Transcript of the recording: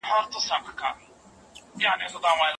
تاسو باید کیلې له نورو مېوو څخه یو څه جلا وساتئ.